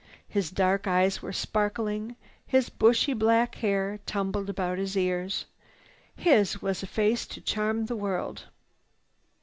His dark eyes were sparkling, his bushy black hair tumbled about his ears. His was a face to charm the world.